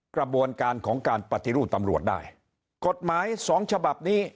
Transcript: กระบวนการของการปฏิรูปตำรวจได้กฎหมายสองฉบับนี้